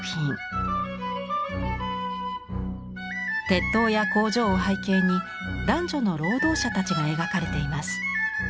鉄塔や工場を背景に男女の労働者たちが描かれています。